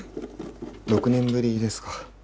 ６年ぶりですか。